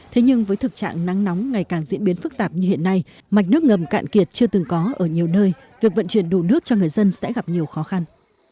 thế nhưng với thực trạng nắng nóng ngày càng diễn biến phức tạp như hiện nay mạch nước ngầm cạn kiệt chưa từng có ở nhiều nơi việc vận chuyển đủ nước cho người dân sẽ gặp nhiều khó khăn